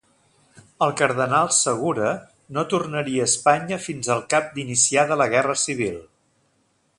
El Cardenal Segura no tornaria a Espanya fins al cap d'iniciada la guerra civil.